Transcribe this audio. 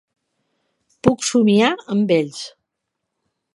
Puc somiar amb ells.